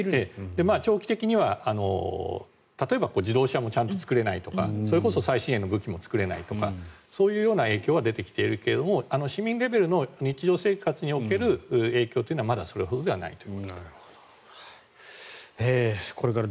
長期的には例えば自動車もちゃんと作れないとかそれこそ最新鋭の武器も作れないとかそういうような影響は出てきているけれども市民レベルの日常生活における影響というのはまだそれほではないと。